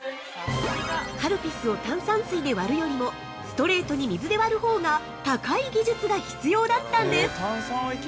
◆カルピスを炭酸水で割るよりも、ストレートに水で割るほうが、高い技術が必要だったんです。